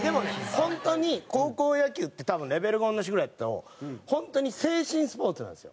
ホントに高校野球ってたぶんレベルが同じぐらいやとホントに精神スポーツなんですよ。